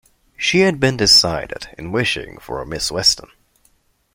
She had been decided in wishing for a Miss Weston.